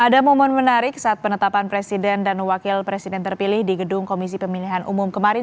ada momen menarik saat penetapan presiden dan wakil presiden terpilih di gedung komisi pemilihan umum kemarin